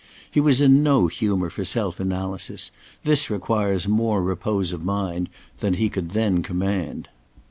He was in no humour for self analysis: this requires more repose of mind than he could then command.